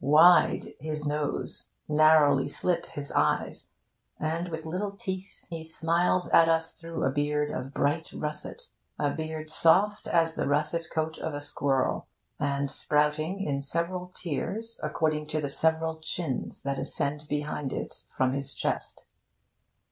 Wide his nose, narrowly slit his eyes, and with little teeth he smiles at us through a beard of bright russet a beard soft as the russet coat of a squirrel, and sprouting in several tiers according to the several chins that ascend behind it from his chest.